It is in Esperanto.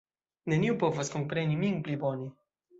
Neniu povas kompreni min pli bone.